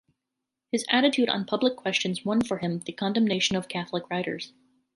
His attitude on public questions won for him the condemnation of Catholic writers.